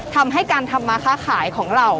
ทำให้การทำมาค้าขายของเรา